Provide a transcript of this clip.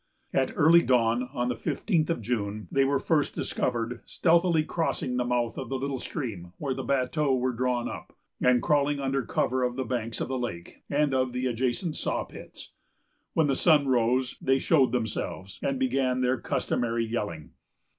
At early dawn on the fifteenth of June, they were first discovered stealthily crossing the mouth of the little stream, where the bateaux were drawn up, and crawling under cover of the banks of the lake and of the adjacent saw pits. When the sun rose, they showed themselves, and began their customary yelling.